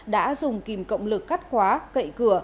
đã dùng kìm cộng lực cắt khóa cậy cửa